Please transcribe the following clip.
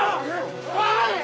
おい！